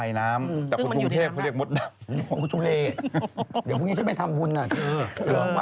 เราต้องพูดทุกวันนะครับ